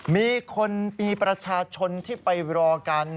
มีคนมีประชาชนที่ไปรอกัน